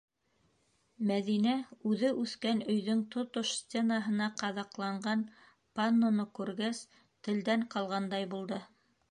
Мәҙинә үҙе үҫкән өйҙөң тотош стенаһына ҡаҙаҡланған панноны күргәс телдән ҡалғандай булды.